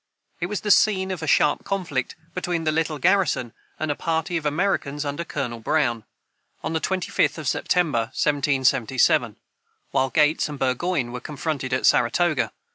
It was the scene of a sharp conflict between the little garrison and a party of Americans under Colonel Brown, on the 25th of September, 1777, while Gates and Burgoyne were confronted at Saratoga.